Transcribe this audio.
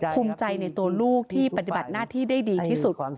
ภูมิใจในตัวลูกที่ปฏิบัติหน้าที่ได้ดีที่สุด